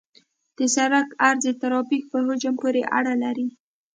د سرک عرض د ترافیک په حجم پورې اړه لري